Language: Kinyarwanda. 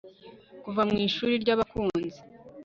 Kuva mu Ishuri ryabakunzi